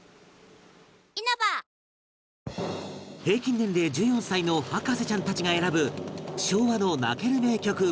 平均年齢１４歳の博士ちゃんたちが選ぶ昭和の泣ける名曲